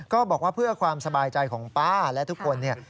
ก็บอกว่าเพื่อความสบายใจของป้าและทุกคนเนี่ย